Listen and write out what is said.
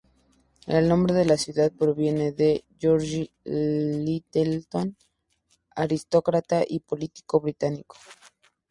El nombre de la ciudad proviene de George Lyttelton, aristócrata y político británico.